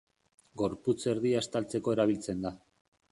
Gorputz erdia estaltzeko erabiltzen da.